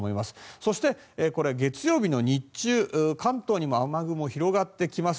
そして、月曜日の日中関東にも雨雲が広がってきます。